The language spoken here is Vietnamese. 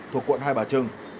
thuộc quận hai bà trưng